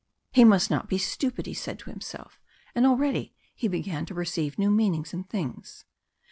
He must not be stupid, he said to himself, and already he began to perceive new meanings in things.